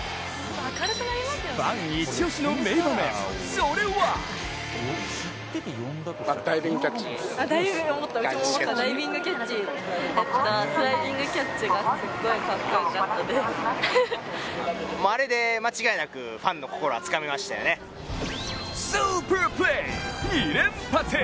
ファン一押しの名場面、それはスーパープレー２連発！